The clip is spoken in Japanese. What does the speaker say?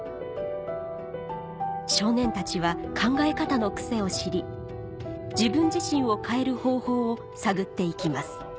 少年たちは考え方の癖を知り自分自身を変える方法を探っていきます